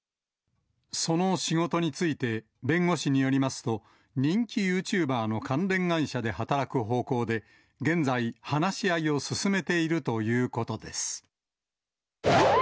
その仕事について、弁護士によりますと、人気ユーチューバーの関連会社で働く方向で現在、話し合いを進めているということです。